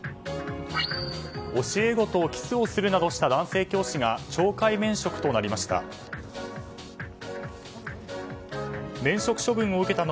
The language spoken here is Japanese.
教え子とキスをするなどした男性教師が懲戒免職となりました。